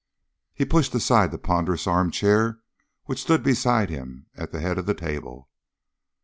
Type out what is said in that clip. He pushed aside the ponderous armchair which stood beside him at the head of the table.